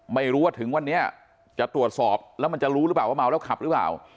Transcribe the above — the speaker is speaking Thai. ไม่รู้ว่าถึงวันนี้จะตรวจสอบแล้วมันจะรู้หรือเปล่าว่าเมาแล้วขับหรือเปล่า